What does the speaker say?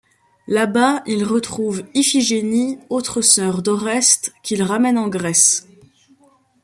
Là-bas, ils retrouvent Iphigénie, autre sœur d'Oreste, qu'ils ramènent en Grèce.